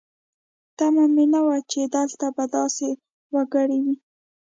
تمه مې نه وه چې دلته به داسې وګړي وي.